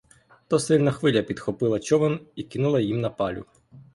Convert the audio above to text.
То сильна хвиля підхопила човен і кинула їм на палю.